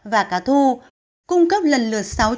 và cá thu cung cấp lần lượt